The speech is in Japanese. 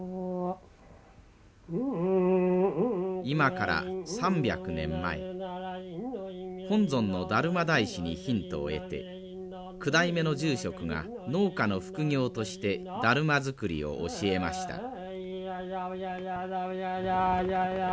今から３００年前本尊の達磨大師にヒントを得て九代目の住職が農家の副業としてだるま作りを教えました。